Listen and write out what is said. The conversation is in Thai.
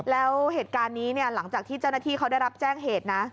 แล้วเหตุการณ์นี้เนี่ยหลังจากที่เจ้าหน้าที่เขาได้รับแจ้งเหตุนะ